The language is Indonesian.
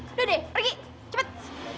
udah deh pergi cepet